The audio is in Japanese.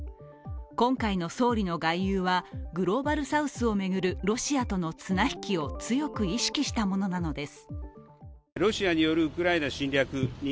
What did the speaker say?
今回の総理の外遊はグローバルサウスを巡るロシアとの綱引きを強く意識したものなのです。